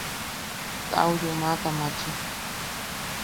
Kaa au yumaʼata maachi.